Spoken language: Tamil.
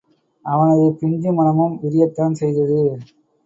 அவனது பிஞ்சு மனமும் விரியத்தான் செய்தது.